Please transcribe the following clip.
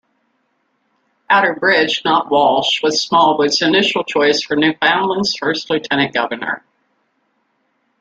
Outerbridge, not Walsh, was Smallwood's initial choice for Newfoundland's first lieutenant-governor.